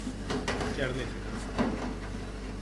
Και αρνήθηκαν.